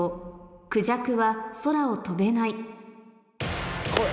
「クジャクは空を飛べない」来い！